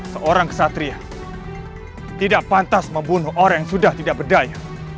seorang kesatria tidak pantas membunuh orang yang sudah tidak berdaya